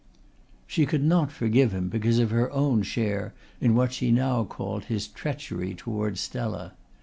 She could not forgive him because of her own share in what she now called his "treachery" towards Stella.